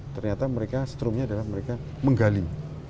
ternyata strungnya adalah mereka menggali